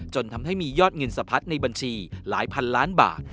จนทำให้มียอดเงินสะพัดในบัญชีหลายพันล้านบาท